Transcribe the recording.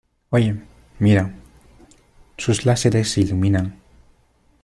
¡ Oye, mira! Sus láseres se iluminan.